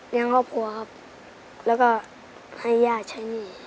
ครอบครัวครับแล้วก็ให้ย่าใช้หนี้